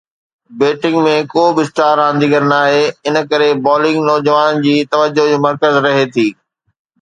batting ۾ ڪو به star رانديگر ناهي، ان ڪري بالنگ نوجوانن جي توجه جو مرڪز رهي ٿي